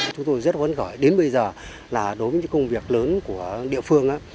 chúng tôi rất vấn khởi đến bây giờ là đối với những công việc lớn của địa phương